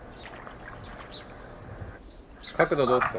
角度どうっすか？